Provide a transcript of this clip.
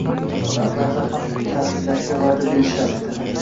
Buni amalda ham taʼminlashga vaʼda berishyapti.